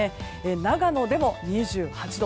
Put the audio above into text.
長野でも２８度。